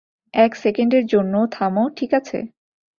এক সেকেন্ডের জন্য থামো, ঠিক আছে?